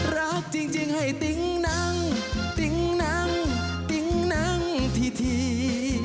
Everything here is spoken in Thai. รักจริงให้ติ๊งนั่งติ๊งนังติ๊งนั่งที